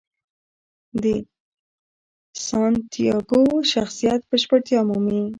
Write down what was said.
د سانتیاګو شخصیت بشپړتیا مومي.